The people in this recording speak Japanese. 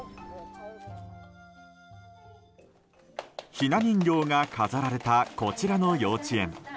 ひな人形が飾られたこちらの幼稚園。